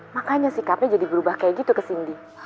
makanya sikapnya jadi berubah kayak gitu ke cindy